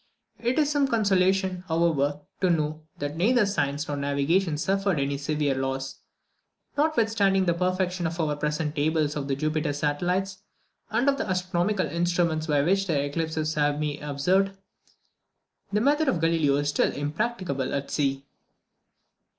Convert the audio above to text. It is some consolation, however, to know that neither science nor navigation suffered any severe loss. Notwithstanding the perfection of our present tables of Jupiter's satellites, and of the astronomical instruments by which their eclipses may be observed, the method of Galileo is still impracticable at sea.